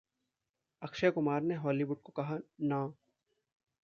अक्षय कुमार ने हॉलीवुड को कहा.. ‘ना’